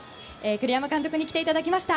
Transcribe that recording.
栗山監督に来ていただきました。